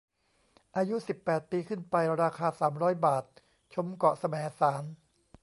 อายุ สิบแปด ปีขึ้นไป ราคา สามร้อย บาท ชมเกาะแสมสาร